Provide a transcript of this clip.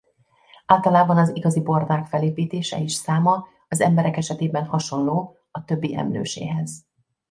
Általában az igazi bordák felépítése és száma az emberek esetében hasonló a többi emlőséhez.